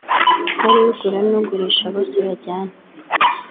ari ugura n’ugurisha bose bajyane’